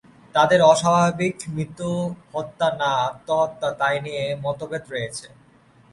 তাঁদের অস্বাভাবিক মৃত্যু হত্যা না আত্মহত্যা তাই নিয়ে মতভেদ রয়েছে।